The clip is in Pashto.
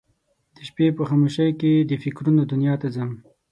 د شپې په خاموشۍ کې د فکرونه دنیا ته ځم